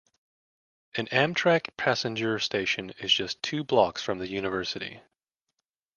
An Amtrak passenger station is just two blocks from the University.